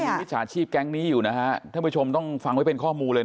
ตอนนี้มีชาญชีพแก๊งก์นี้อยู่ท่านผู้ชมต้องฟังไว้เป็นข้อมูลเลย